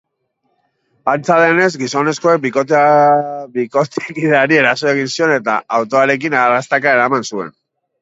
Antza denez, gizonezkoak bikotekideari eraso zion eta autoarekin arrastaka eraman zuen.